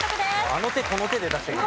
あの手この手で出してくる。